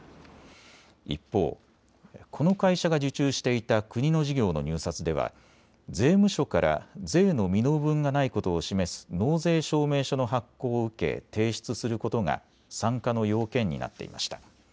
一方、この会社が受注していた国の事業の入札では税務署から税の未納分がないことを示す納税証明書の発行を受け提出することが参加の要件になっていました。